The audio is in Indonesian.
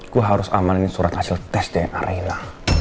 gue harus amalin surat hasil tes dna rina